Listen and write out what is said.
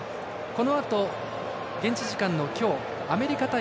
このあと現地時間の今日アメリカ対